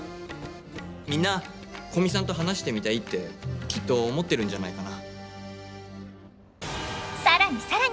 みんな古見さんと話してみたいってきっと思ってるんじゃないかな。